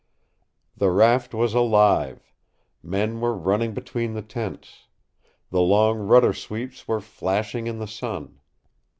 The raft was alive. Men were running between the tents. The long rudder sweeps were flashing in the sun.